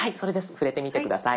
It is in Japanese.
触れてみて下さい。